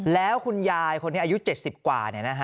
แล้วคุณยายคนนี้อายุ๗๐กว่า